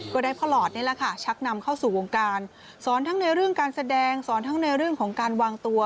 ก็ได้พ่อหลอดนี่แหละค่ะชักนำเข้าสู่วงการสอนทั้งในเรื่องการแสดงสอนทั้งในเรื่องของการวางตัว